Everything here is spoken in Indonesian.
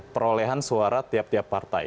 perolehan suara tiap tiap partai